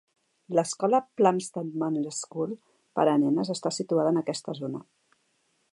L'escola Plumstead Manor School per a nenes està situada en aquesta zona.